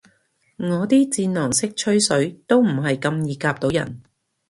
我啲戰狼式吹水都唔係咁易夾到人